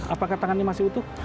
apakah tangannya masih utuh